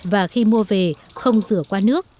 và khi mua về không rửa qua nước